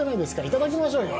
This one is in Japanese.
いただきましょうよ。